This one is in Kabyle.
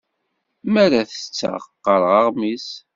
Mi ara ttetteɣ, qqareɣ aɣmis.